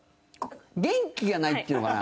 元気がないっていうかな。